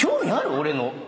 俺の。